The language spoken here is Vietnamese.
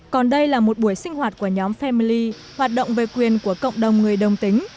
còn đây là một buổi sinh hoạt của nhóm family hoạt động về quyền của cộng đồng người đồng tính